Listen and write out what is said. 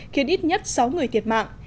khiến ít nhất sáu người thiệt mạng